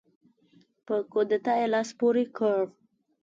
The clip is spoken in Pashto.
په کودتا یې لاس پورې کړ.